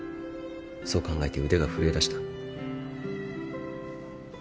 そう考えて腕が震えだした。